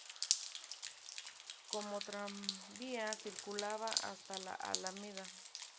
Como tranvía circulaba hasta la Alameda.